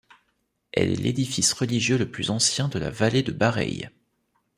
Elle est l'édifice religieux le plus ancien de la vallée de Bareilles.